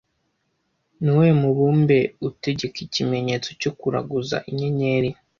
Ni uwuhe mubumbe utegeka ikimenyetso cyo kuraguza inyenyeri